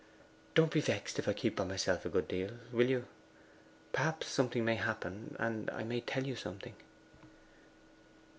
'Don't be vexed if I keep by myself a good deal, will you? Perhaps something may happen, and I may tell you something.